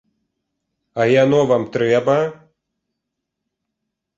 А яно вам трэба?!